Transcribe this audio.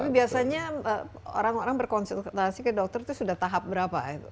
tapi biasanya orang orang berkonsultasi ke dokter itu sudah tahap berapa